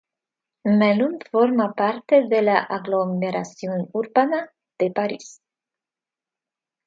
Melun forma parte de la aglomeración urbana de París.